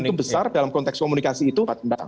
ada momen besar dalam konteks komunikasi itu